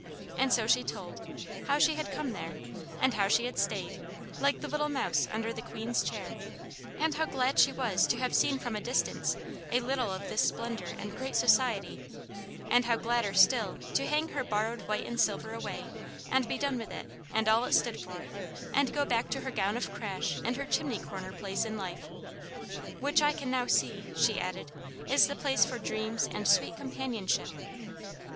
And so she told: how she had come there, and how she had stayed, like the little mouse under the Queen's chair, and how glad she was to have seen from a distance a little of this splendour and great society, and how gladder still to hang her borrowed white and silver away and be done with it and all it stood for and go back to her gown of crash and her chimney corner place in life, "which I can now see," she added "is the place for dreams and sweet companionship."